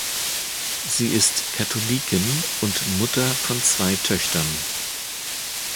Sie ist Katholikin und Mutter von zwei Töchtern.